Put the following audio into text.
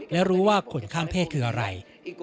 และรู้ว่าคนข้ามเพศคืออะไร